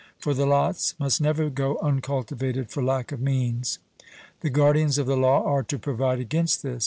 For the lots must never go uncultivated for lack of means; the guardians of the law are to provide against this.